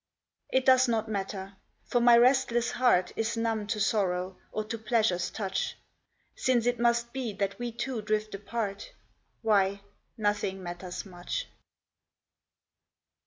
It does not matter. For my restless heart Is numb to sorrow, or to pleasure's touch. Since it must be that we two drift apart, Why, nothing matters much.